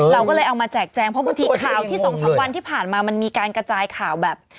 เราก็เลยเอามาแจกแจงเพราะบางทีข่าวที่๒๓วันที่ผ่านมามันมีการกระจายข่าวแบบ